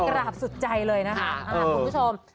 กราบสุดใจเลยนะคะคุณผู้ชม